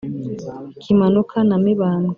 kimanuka na mibambwe